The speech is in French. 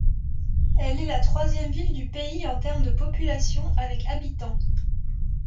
Elle est la troisième ville du pays en termes de population avec habitants.